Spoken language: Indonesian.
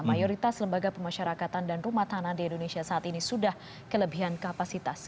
mayoritas lembaga pemasyarakatan dan rumah tahanan di indonesia saat ini sudah kelebihan kapasitas